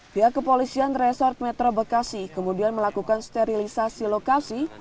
pihak kepolisian resort metro bekasi kemudian melakukan sterilisasi lokasi